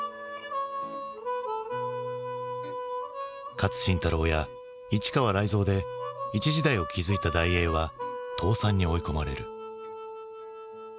勝新太郎や市川雷蔵で一時代を築いた大映は倒産に追い込まれる。